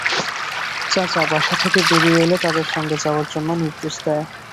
চাচা বাসা থেকে বেরিয়ে এলে তাদের সঙ্গে যাওয়ার জন্য নির্দেশ দেয়।